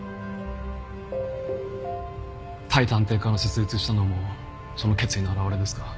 対探偵課の設立したのもその決意の表れですか？